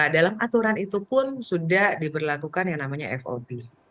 dalam aturan itu pun sudah diberlakukan yang namanya fob